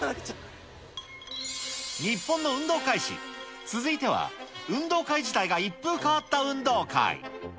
日本の運動会史、続いては運動会自体が一風変わった運動会。